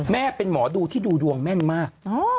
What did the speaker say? แม่เป็นหมอดูที่ดูดวงแม่นมาก